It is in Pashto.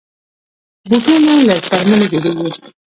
بوټونه له څرمنو جوړېږي.